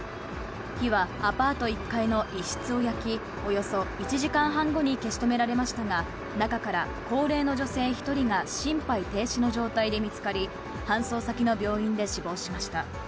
火はアパート１階の一室を焼き、およそ１時間半後に消し止められましたが、中から高齢の女性１人が心肺停止の状態で見つかり、搬送先の病院で死亡しました。